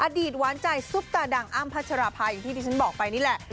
อดีตหวานใจซุปตาดังอ้ำพัชราภาอย่างที่ที่ฉันบอกไปนี่แหละ